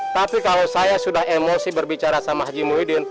tapi kalau saya sudah emosi berbicara sama haji muhyiddin